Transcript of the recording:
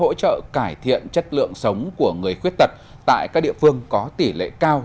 hỗ trợ cải thiện chất lượng sống của người khuyết tật tại các địa phương có tỷ lệ cao